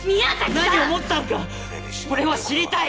何を思ったんか俺は知りたい！